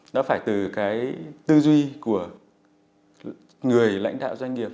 nó phải từ cái tư duy của người lãnh đạo doanh nghiệp